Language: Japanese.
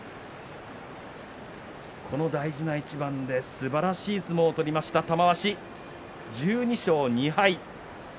この大事な一番ですばらしい相撲を取りました玉鷲、１２勝２敗。